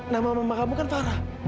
nama mama kamu kan parah